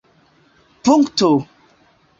punkto